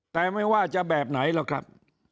แต่ไม่ว่าจะแบบไหนหรอกครับ